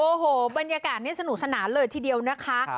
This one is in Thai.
โอ้โหบรรยากาศนี้สนุกสนานเลยทีเดียวนะคะ